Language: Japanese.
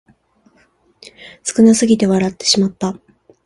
少なすぎて笑ってしまった